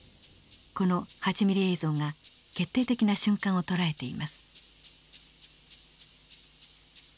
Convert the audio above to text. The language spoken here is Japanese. この８ミリ映像が決定的な瞬間をとらえています。